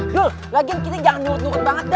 dul kita jangan diuntungin banget